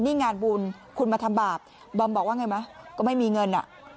นี่งานบุญคุณมาทำบาปบอมบอกว่าไงมั้ยก็ไม่มีเงิน